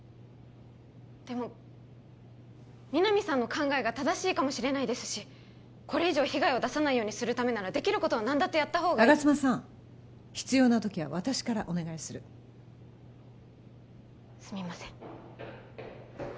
でも皆実さんの考えが正しいかもしれないですしこれ以上被害を出さないようにするためならできることは何だってやった方が吾妻さん必要な時は私からお願いするすみません